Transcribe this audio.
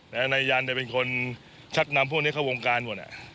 และนายยันเนี่ยเป็นคนชัดนำพวกนี้เข้าวงการบ่นอ่ะ